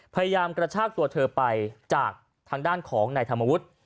พยายามกระชากตัวเธอไปจากทางด้านของนายธรรมวุฒิ